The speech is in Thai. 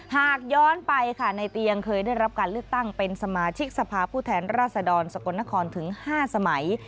หากย้อนไปค่ะในเตียงเคยได้รับการเลือกตั้งเป็นสมาชิกสภาพผู้แทนราชดรสกลนครถึง๕สมัย